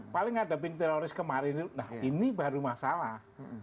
paling hadapin teroris kemarin nah ini baru masalah